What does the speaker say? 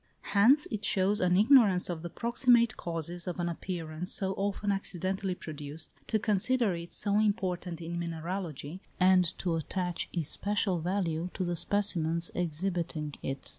Hence it shows an ignorance of the proximate causes of an appearance so often accidentally produced, to consider it so important in mineralogy, and to attach especial value to the specimens exhibiting it.